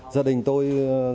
gia đình tôi